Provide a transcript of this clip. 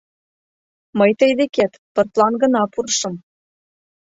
Мый тый декет пыртлан гына пурышым.